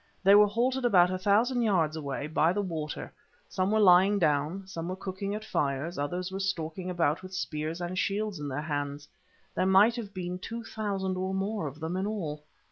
They were halted about a thousand yards away, by the water; some were lying down, some were cooking at fires, others were stalking about with spears and shields in their hands; there might have been two thousand or more of them in all.